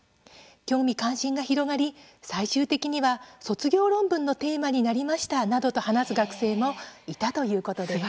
興味関心が広がり、最終的には卒業論文のテーマになりましたなどと話す学生もいたということです。